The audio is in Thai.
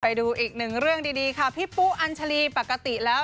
ไปดูอีกหนึ่งเรื่องดีค่ะพี่ปุ๊อัญชาลีปกติแล้ว